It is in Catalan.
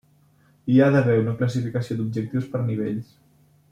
Hi ha d'haver una classificació d'objectius per nivells.